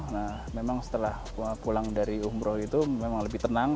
nah memang setelah pulang dari umroh itu memang lebih tenang